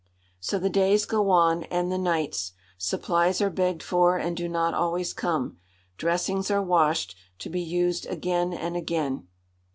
So the days go on, and the nights. Supplies are begged for and do not always come. Dressings are washed, to be used again and again.